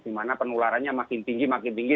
di mana penularannya makin tinggi makin tinggi